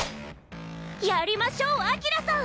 やりましょうアキラさん！